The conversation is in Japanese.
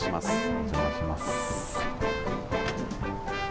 お邪魔します。